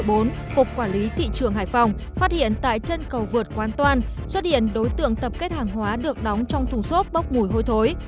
cục quản lý thị trường hải phòng phát hiện tại chân cầu vượt quán toan xuất hiện đối tượng tập kết hàng hóa được đóng trong thùng xốp bốc mùi hôi thối